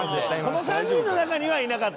この３人の中にはいなかった。